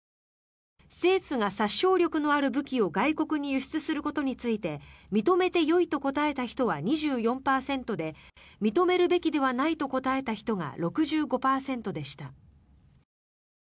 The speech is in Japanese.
政府が殺傷力のある武器を外国に輸出することについて認めてよいと答えた人は２４％で認めるべきではないと答えた人が６５％でした。